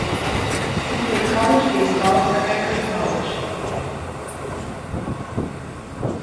He played college baseball for Eckerd College.